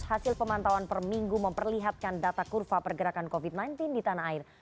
hasil pemantauan per minggu memperlihatkan data kurva pergerakan covid sembilan belas di tanah air